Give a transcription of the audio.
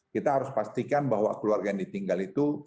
kita harus pastikan bahwa keluarga yang ditinggal itu